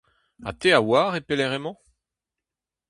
Ha te a oar e pelec'h emañ.